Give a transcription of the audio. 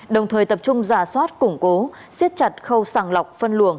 đồng thời tập trung giả soát củng cố siết chặt khâu sàng lọc phân luồng